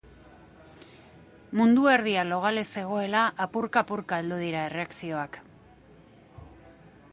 Mundu erdia logale zegoela, apurka-apurka heldu dira erreakzioak.